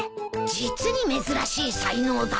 実に珍しい才能だよ。